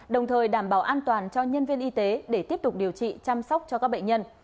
đồng thời đảm bảo an toàn cho nhân viên y tế để tiếp tục điều trị chăm sóc cho các bệnh nhân